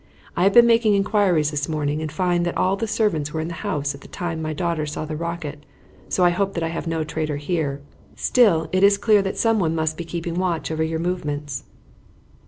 I have been making inquiries this morning and find that all the servants were in the house at the time my daughter saw the rocket, so I hope that I have no traitor here. Still, it is clear that someone must be keeping watch over your movements."